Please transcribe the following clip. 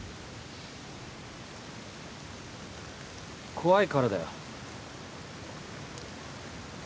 怖いからだよ